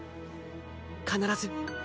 必ず。